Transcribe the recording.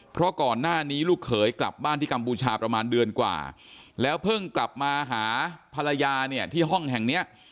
เพราะก่อนหน้านี้ลูกเขยกลับบ้านที่กัมพูชาประมาณเดือนกว่าแล้วเพิ่งกลับมาหาภรรยาเนี่ยที่ห้องแห่งเนี้ย